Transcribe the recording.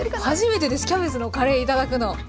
初めてですキャベツのカレー頂くの。